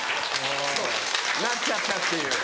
なっちゃったっていう。